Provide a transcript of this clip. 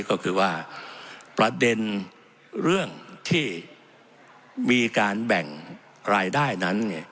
ก็คือว่าประเด็นเรื่องที่มีการแบ่งรายได้นั้น